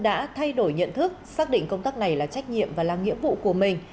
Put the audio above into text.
những người dân đã thay đổi nhận thức xác định công tác này là trách nhiệm và là nhiệm vụ của mình